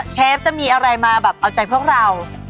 เชฟจะมีอะไรมาแบบเอาใจพวกเรา